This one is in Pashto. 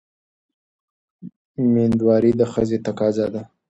مېندواري د ښځې تقاضا ده.